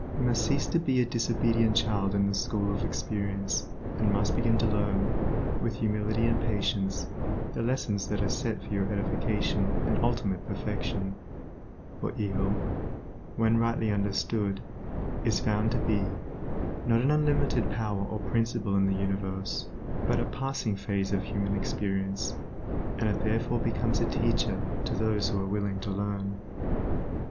You must cease to be a disobedient child in the school of experience and must begin to learn, with humility and patience, the lessons that are set for your edification and ultimate perfection; for evil, when rightly understood, is found to be, not an unlimited power or principle in the universe, but a passing phase of human experience, and it therefore becomes a teacher to those who are willing to learn.